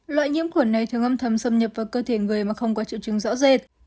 loại nhiễm khuẩn này thường âm thầm xâm nhập vào cơ thể người mà không có triệu chứng rõ rệt